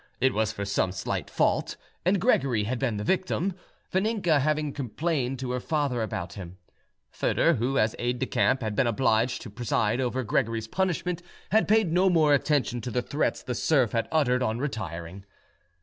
It was for some slight fault, and Gregory had been the victim; Vaninka having complained to her father about him. Foedor, who as aide de camp had been obliged to preside over Gregory's punishment, had paid no more attention to the threats the serf had uttered on retiring.